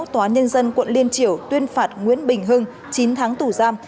tòa nhân dân quận liên triểu tuyên phạt nguyễn bình hưng chín tháng tù giam